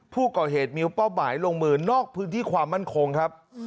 ผู้ก่อเหตุมีเป้าหมายลงมือนอกพื้นที่ความมั่นคงครับ